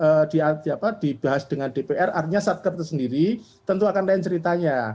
kalau misalkan kami bisa anggaranya dibahas dengan dpr artinya satker itu sendiri tentu akan lain ceritanya